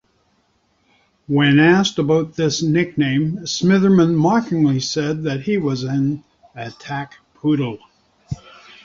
When asked about this nickname, Smitherman mockingly said that he was an "attack poodle".